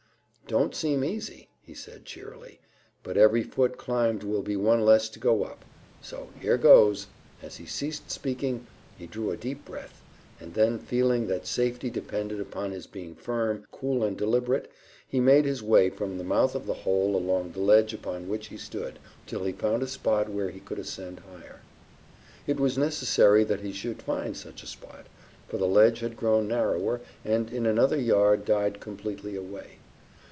"Don't seem easy," he said cheerily, "but every foot climbed will be one less to get up. So, here goes." As he ceased speaking he drew a deep breath, and then feeling that safety depended upon his being firm, cool, and deliberate, he made his way from the mouth of the hole along the ledge upon which he stood, till he found a spot where he could ascend higher. It was necessary that he should find such a spot, for the ledge had grown narrower and in another yard died completely away.